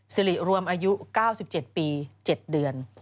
สิริรวมอายุ๙๗ปี๗เดือน